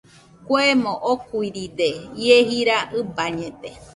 Kuemo okuiride, ie jira ɨbañede.